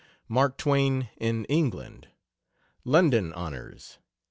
MARK TWAIN IN ENGLAND. LONDON HONORS.